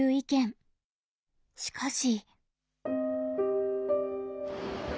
しかし。